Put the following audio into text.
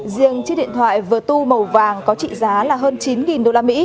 riêng chiếc điện thoại vertu màu vàng có trị giá là hơn chín usd